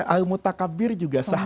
al mutakabir juga sama